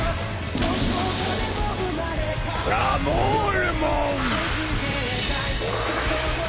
ラモールモン！